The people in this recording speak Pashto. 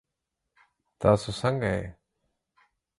تاسو ځنګه يئ؟